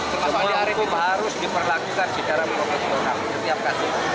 semua hukum harus diperlakukan secara profesional setiap kasus